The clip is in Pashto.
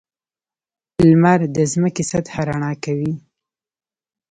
• لمر د ځمکې سطحه رڼا کوي.